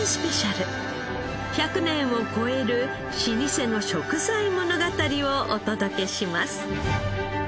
１００年を超える老舗の食材物語をお届けします。